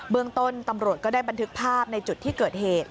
เมืองต้นตำรวจก็ได้บันทึกภาพในจุดที่เกิดเหตุ